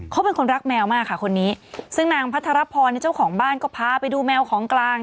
เขาเป็นคนรักแมวมากค่ะคนนี้ซึ่งนางพัทรพรเจ้าของบ้านก็พาไปดูแมวของกลาง